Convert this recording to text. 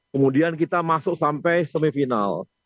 kemudian kita masuk sampai semifinal